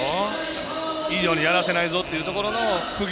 いいようにやらせないぞというところくぎ